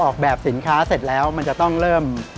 ออกแบบสินค้าเสร็จแล้วมันจะต้องเริ่ม